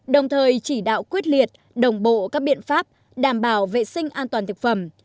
đồng thời chỉ đạo quyết liệt đồng bộ các biện pháp đảm bảo vệ sinh an toàn thực phẩm